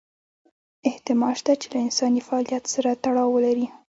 احتمال شته چې له انساني فعالیت سره تړاو ولري.